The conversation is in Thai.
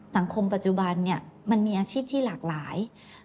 สังคมปัจจุบันเนี่ยมันมีอาชีพที่หลากหลาย